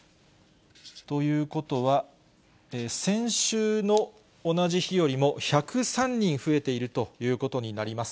ということは、先週の同じ日よりも、１０３人増えているということになります。